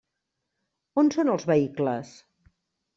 On són els vehicles?